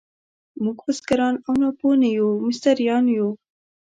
موږ بزګران او ناپوه نه یو، مستریان یو.